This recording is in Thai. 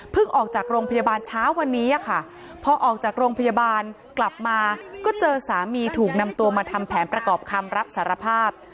ออกจากโรงพยาบาลเช้าวันนี้ค่ะพอออกจากโรงพยาบาลกลับมาก็เจอสามีถูกนำตัวมาทำแผนประกอบคำรับสารภาพ